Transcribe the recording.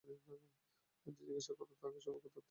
তাদের জিজ্ঞাসা কর তারা সবাই ক্ষুধার্ত কিনা।